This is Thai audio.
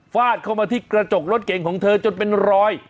ฟาดเข้ามาที่กระจกรถเก่งของเธอจนเป็นรอย